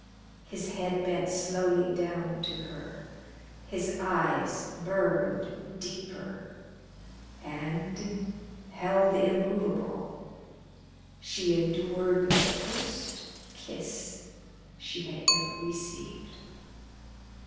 His head bent slowly down to her, his eyes burned deeper, and, held immovable, she endured the first kiss she had ever received.